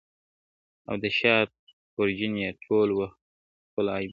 • او د شا خورجین یې ټول وه خپل عیبونه -